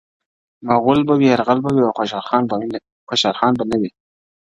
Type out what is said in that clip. مغول به وي، یرغل به وي او خوشحال خان به نه وي!!